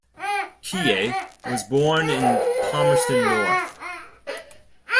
Keay was born in Palmerston North.